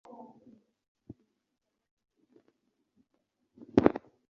nagize amahirwe yo kuvuga ..